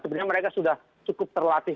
sebenarnya mereka sudah cukup terlatih